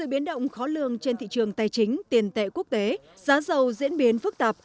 sự biến động khó lương trên thị trường tài chính tiền tệ quốc tế giá giàu diễn biến phức tạp